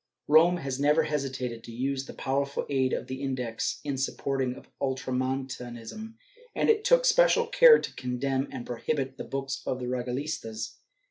Rome has never hesitated to use the powerful aid of the Index in support of Ultra montanism, and it took special care to condemn and prohibit the books of the regalistas.